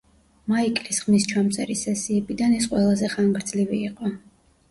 მაიკლის ხმისჩამწერი სესიებიდან ეს ყველაზე ხანგრძლივი იყო.